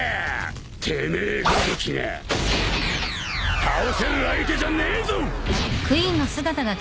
てめえごときが倒せる相手じゃねえぞ！